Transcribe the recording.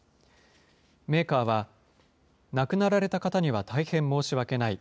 メーカーは、亡くなられた方には大変申し訳ない。